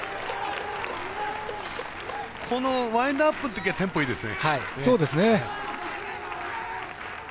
ワインドアップのときはテンポいいですね。